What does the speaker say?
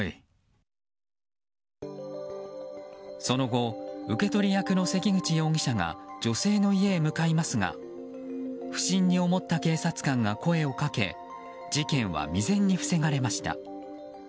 その後、受け取り役の関口容疑者が女性の家へ向かいますが不審に思った警察官が声をかけ事件は未然に防がれました。